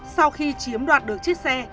sau khi chiếm đoạt được chiếc xe